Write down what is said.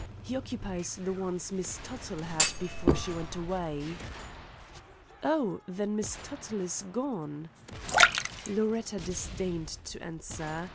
He occupies the one Miss Tuttle had before she went away." "Oh, then, Miss Tuttle is gone?" Loretta disdained to answer.